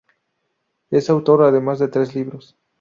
Es autor además de tres libros.